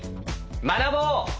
学ぼう！